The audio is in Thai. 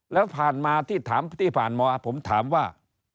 แล้วผ่านมาที่ถามที่ผ่านมาผมถามว่า